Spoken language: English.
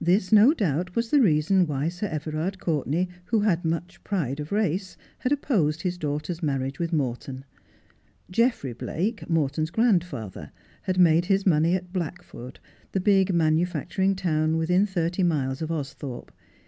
This no doubt was the reason why Sir Everard Courtenay, who had much pride of race, had opposed his daughter's marriage with Morton. Geoffrey Blake, Morton's grandfather, had made his money at Blackford, the big manufacturing town within thirty miles of Austhorpe.